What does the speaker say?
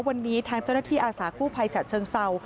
วันนี้ทางเจ้าหน้าที่อาสากู้ภัยฉะเชิงเศร้า